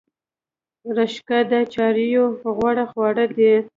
رشقه د څارویو غوره خواړه دي